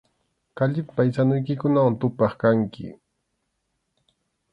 Kallipi paysanuykikunawan tupaq kanki.